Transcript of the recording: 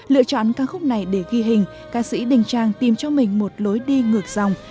lựa chọn ca khúc này để ghi hình ca sĩ đình trang tìm cho mình một lối đi ngược dòng